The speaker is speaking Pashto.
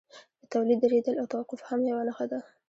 د تولید درېدل او توقف هم یوه نښه ده